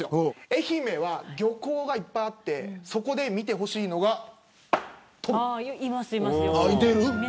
愛媛は漁港がいっぱいあって、そこでいます、います。